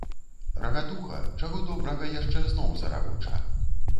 Рагатуха, чаго добрага, яшчэ зноў зарагоча.